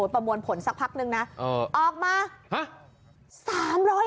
ประมวลผลสักพักนึงนะออกมา